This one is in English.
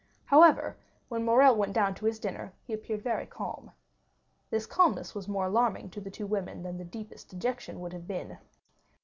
However, when Morrel went down to his dinner, he appeared very calm. This calmness was more alarming to the two women than the deepest dejection would have been.